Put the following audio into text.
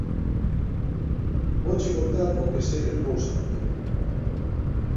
"Vouche contar o que sei de Pousa Antelo".